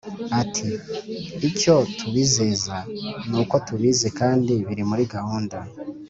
Ati Icyo tubizeza ni ko tubizi kandi biri muri gahunda